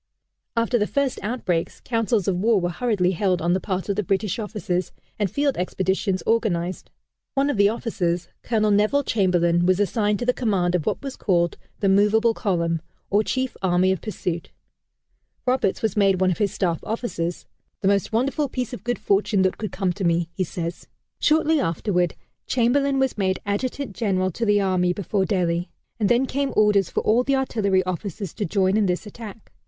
After the first outbreaks, councils of war were hurriedly held on the part of the British officers, and field expeditions organized. One of the officers, Colonel Neville Chamberlain, was assigned to the command of what was called the "Movable Column," or chief army of pursuit. Roberts was made one of his staff officers "the most wonderful piece of good fortune that could come to me," he says. Shortly afterward, Chamberlain was made Adjutant General to the Army before Delhi, and then came orders for all the artillery officers to join in this attack.